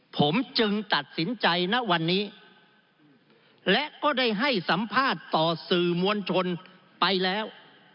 ผมจึงตัดสินใจณวันนี้และก็ได้ให้สัมภาษณ์ต่อสื่อมวลชนไปแล้ว